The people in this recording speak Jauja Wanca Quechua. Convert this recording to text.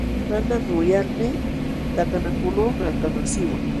Mana muyalmi takanakuqluu malkamasiiwan.